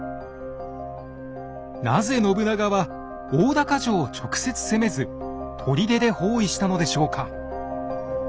なぜ信長は大高城を直接攻めず砦で包囲したのでしょうか？